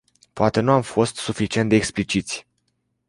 Poate nu am fost suficient de expliciți.